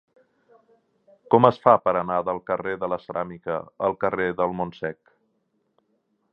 Com es fa per anar del carrer de la Ceràmica al carrer del Montsec?